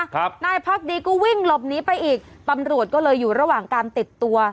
ครับนายพักดีก็วิ่งหลบหนีไปอีกตำรวจก็เลยอยู่ระหว่างการติดตัว